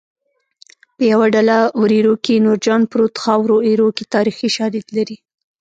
په یوه ډله وریرو کې نورجان پروت خاورو ایرو کې تاریخي شالید لري